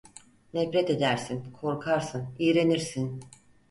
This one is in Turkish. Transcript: Nefret edersin, korkarsın, iğrenirsin…